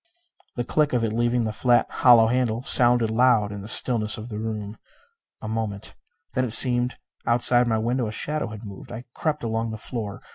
The click of it leaving the flat, hollow handle sounded loud in the stillness of the room. A moment. Then it seemed that outside my window a shadow had moved. I crept along the floor.